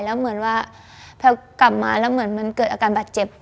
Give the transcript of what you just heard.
แล้วเหมือนว่าพอกลับมาแล้วเหมือนมันเกิดอาการบาดเจ็บ